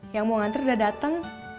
yang mau ngantri udah dateng